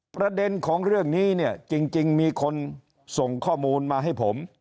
ประเด็นของเรื่องนี้เนี่ยจริงมีคนส่งข้อมูลมาให้ผม